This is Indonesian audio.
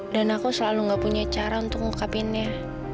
dan aku selalu gak punya cara untuk mengungkapinya